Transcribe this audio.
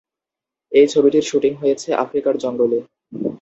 এই ছবিটির শ্যুটিং হয়েছে আফ্রিকার জঙ্গলে।